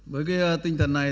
với cái tinh thần này